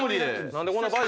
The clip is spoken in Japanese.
何でこんな。